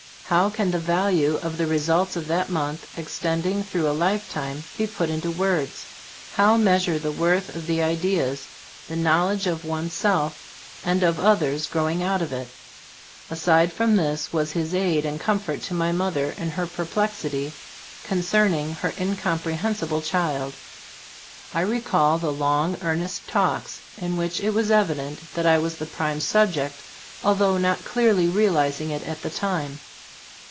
How can the value of the results of that month, extending through a lifetime, be put into words? How measure the worth of the ideas, the knowledge of one's self, and of others, growing out of it? Aside from this was his aid and comfort to my mother in her per plexity concerning her incomprehen sible child. I recall the long, earnest talks, in which it was evident that I was the prime subject, although not clearly realizing it at the time.